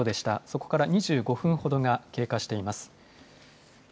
そこから２５分ほどが経過しています。